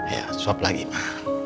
ya suap lagi ma